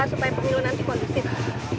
supaya pemilu nanti kondusif